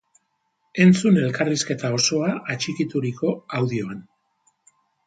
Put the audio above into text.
Entzun elkarrizketa osoa atxikituirko audioan!